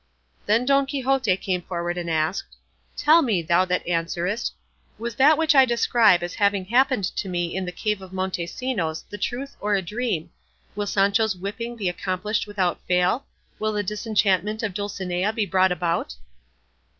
Then Don Quixote came forward and said, "Tell me, thou that answerest, was that which I describe as having happened to me in the cave of Montesinos the truth or a dream? Will Sancho's whipping be accomplished without fail? Will the disenchantment of Dulcinea be brought about?"